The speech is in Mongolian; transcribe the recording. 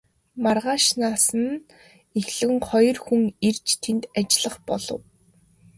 Маргаашаас нь эхлэн хоёр хүн ирж тэнд ажиллах болов.